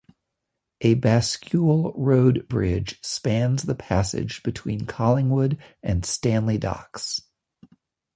A bascule road bridge spans the passage between Collingwood and Stanley Docks.